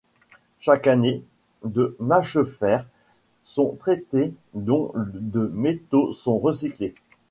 Chaque année, de mâchefers sont traitées dont de métaux sont recyclés.